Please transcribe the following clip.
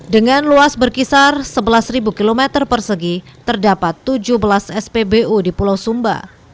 dengan luas berkisar sebelas km persegi terdapat tujuh belas spbu di pulau sumba